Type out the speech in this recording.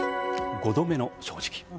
５度目の正直。